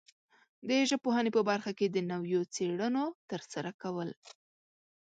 د ژبپوهنې په برخه کې د نویو څېړنو ترسره کول